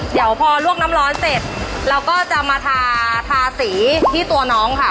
เดี๋ยวพอลวกน้ำร้อนเสร็จเราก็จะมาทาทาสีที่ตัวน้องค่ะ